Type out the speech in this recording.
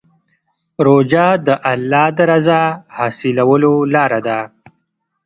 روژه د الله د رضا حاصلولو لاره ده.